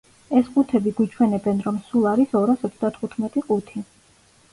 ეს ყუთები გვიჩვენებენ, რომ სულ არის ორას ოცდათხუთმეტი ყუთი.